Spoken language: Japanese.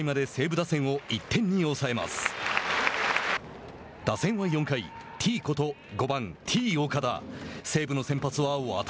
打線は４回「てぃー」こと、５番Ｔ−岡田。